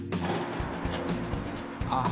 あっ。